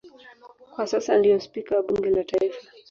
Kwa sasa ndiye Spika wa Bunge la Tanzania